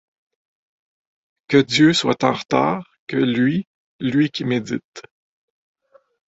Que Dieu soit en retard, que lui, lui qui médite